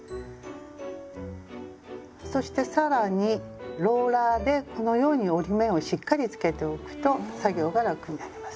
そして更にローラーでこのように折り目をしっかりつけておくと作業が楽になります。